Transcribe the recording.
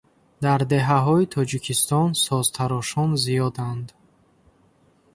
Дар деҳаҳои Тоҷикистон созтарошон зиёданд.